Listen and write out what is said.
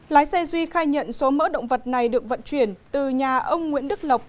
lái xe duy khai nhận số mỡ động vật này được vận chuyển từ nhà ông nguyễn đức lộc